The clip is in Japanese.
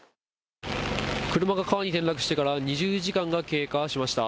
車が川に転落してから２０時間が経過しました。